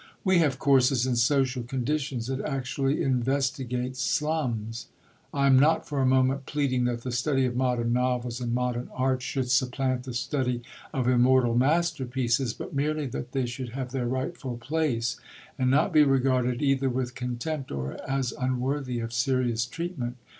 We have courses in social conditions that actually investigate slums. I am not for a moment pleading that the study of modern novels and modern art should supplant the study of immortal masterpieces; but merely that they should have their rightful place, and not be regarded either with contempt or as unworthy of serious treatment.